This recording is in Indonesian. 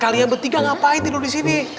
kalian bertiga ngapain tidur disini